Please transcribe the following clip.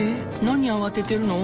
何慌ててるの？